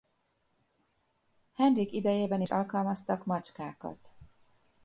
Henrik idejében is alkalmaztak macskákat.